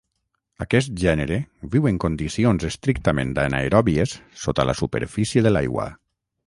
Aquest gènere viu en condicions estrictament anaeròbies sota la superfície de l'aigua.